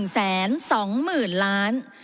๑แสน๒หมื่นล้าน